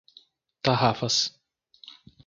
Tarrafas